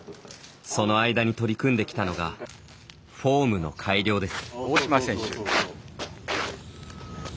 その間に取り組んできたのがフォームの改良です。